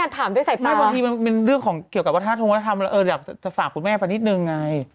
อันนี้มันการถามที่ด้วยใส่ทุกคน